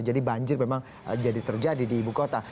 jadi banjir memang jadi terjadi di ibu kota